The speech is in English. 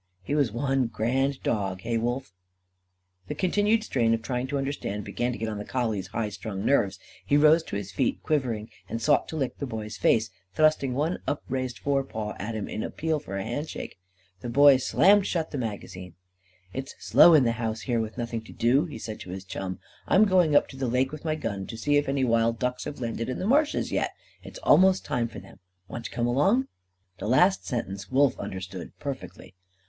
He was one grand dog hey, Wolf?" The continued strain of trying to understand began to get on the collie's high strung nerves. He rose to his feet, quivering, and sought to lick the Boy's face, thrusting one upraised white forepaw at him in appeal for a handshake. The Boy slammed shut the magazine. "It's slow in the house, here, with nothing to do," he said to his chum. "I'm going up the lake with my gun to see if any wild ducks have landed in the marshes yet. It's almost time for them. Want to come along?" The last sentence Wolf understood perfectly.